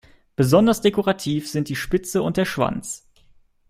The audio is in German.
Besonders dekorativ sind die Spitze und der Schwanz.